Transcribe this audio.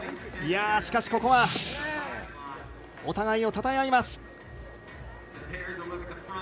しかし、ここはお互いをたたえ合います。